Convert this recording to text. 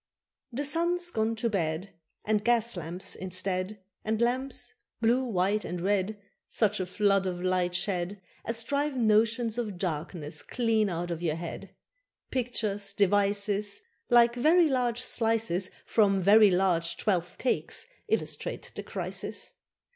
The sun's gone to bed, And gas lamps instead, And lamps blue, white, and red, Such a flood of light shed As drive notions of darkness clean out of your head. Pictures, devices, Like very large slices From very large twelfth cakes, illustrate the crisis.